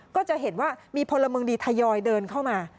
ก็จะเห็นว่ามีพลเมืองดีทยอยเดินเข้ามา